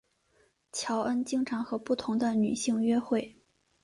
乔恩经常和不同的女性约会。